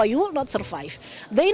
anda tidak akan bertahan